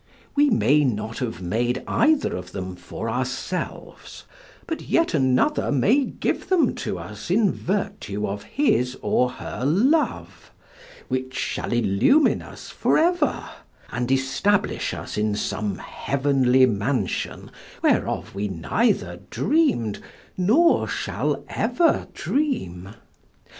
We may not have made either of them for ourselves, but yet another may give them to us in virtue of his or her love, which shall illumine us for ever, and establish us in some heavenly mansion whereof we neither dreamed nor shall ever dream.